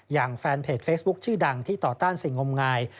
อย่างแฟนเพจเฟซบุ๊คชื่อดังที่ต่อต้านสิ่งงมงาย